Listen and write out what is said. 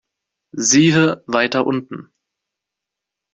Siehe weiter unten.